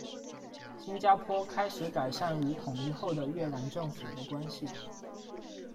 新加坡开始改善与统一后的越南政府的关系。